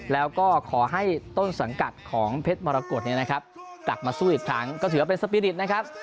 แล้วก็ขอให้ต้นสังกัดของเพชรมรกฏเนี่ยนะครับกลับมาสู้อีกครั้งก็ถือว่าเป็นสปีริตนะครับ